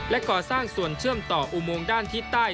และก่อสร้างส่วนเชื่อมต่ออุโมงด้านทิศใต้